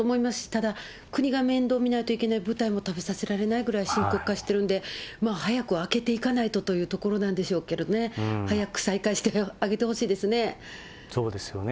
ただ、国が面倒見ないといけない部隊も食べさせられないぐらい深刻化してるんで、早く開けていかないとというところなんでしょうけどね、そうですよね。